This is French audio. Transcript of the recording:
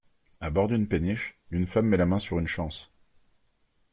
À bord d'une péniche, une femme met la main sur une chance.